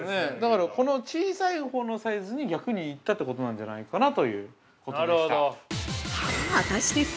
◆だから、この小さいほうのサイズに逆に行ったということなんじゃないかなということでした。